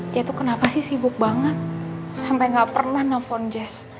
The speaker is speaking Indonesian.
dia tuh kenapa sih sibuk banget sampai gak pernah nelfon jazz